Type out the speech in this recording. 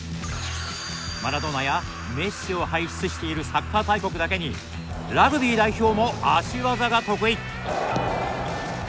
マラドーナやメッシを輩出しているサッカー大国だけにラグビー代表も足技が得意。